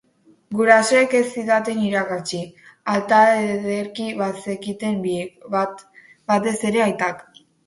Gurasoek ez zidaten irakatsi... alta ederki bazekiten biek, batez ere aitak.